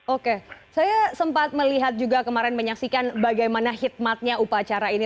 oke saya sempat melihat juga kemarin menyaksikan bagaimana hikmatnya upacara ini